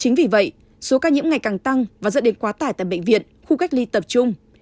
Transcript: chính vì vậy số ca nhiễm ngày càng tăng và dẫn đến quá tải tại bệnh viện khu cách ly tập trung